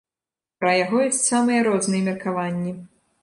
Пра яго ёсць самыя розныя меркаванні.